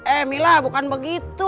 eh mila bukan begitu